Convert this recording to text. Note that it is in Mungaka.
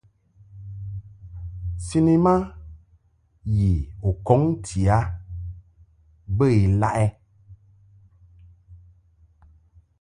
Cinema yi u kɔŋ ti a bə ilaʼ ?